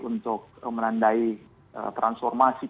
untuk menandai transformasi